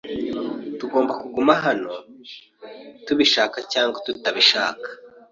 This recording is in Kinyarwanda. Tugomba kuguma hano twabishaka cyangwa tutabishaka.